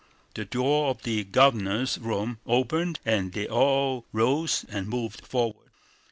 The door of the Governor's room opened and they all rose and moved forward.